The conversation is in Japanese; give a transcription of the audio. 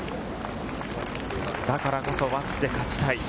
だからこそ輪厚で勝ちたい。